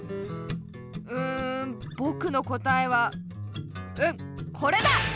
うんぼくのこたえはうんこれだ！よ！